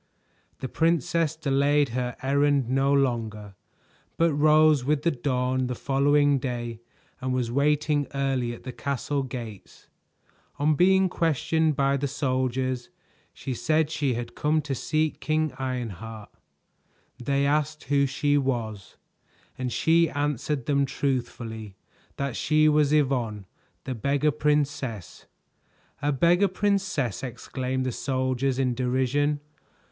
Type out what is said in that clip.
The princess delayed her errand no longer, but rose with the dawn the following day and was waiting early at the castle gates. On being questioned by the soldiers, she said she had come to seek King Ironheart. They asked who she was, and she answered them truthfully that she was Yvonne, the Beggar Princess. "A Beggar Princess!" exclaimed the soldiers in derision.